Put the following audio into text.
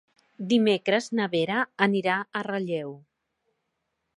Dimecres na Vera anirà a Relleu.